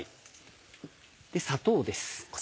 砂糖です。